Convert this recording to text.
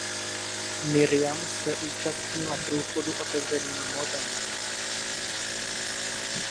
Mirjam se účastnila průchodu otevřeným mořem.